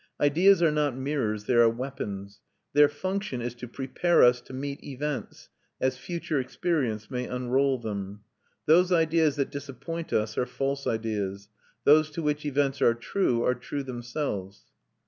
Ideas are not mirrors, they are weapons; their function is to prepare us to meet events, as future experience may unroll them. Those ideas that disappoint us are false ideas; those to which events are true are true themselves.